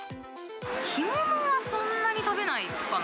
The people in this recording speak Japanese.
干物はそんなに食べないかな。